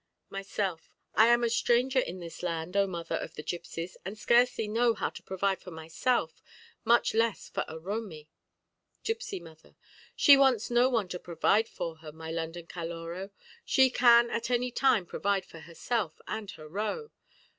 Myself I am a stranger in this land, O mother of the gipsies, and scarcely know how to provide for myself, much less for a romi. Gipsy Mother She wants no one to provide for her, my London Caloró: she can at any time provide for herself and her ro.